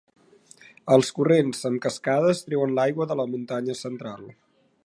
Els corrents amb cascades treuen l'aigua de la muntanya central.